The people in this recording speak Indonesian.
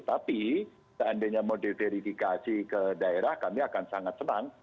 tapi seandainya mau diverifikasi ke daerah kami akan sangat senang